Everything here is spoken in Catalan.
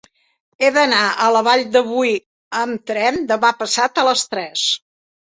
He d'anar a la Vall de Boí amb tren demà passat a les tres.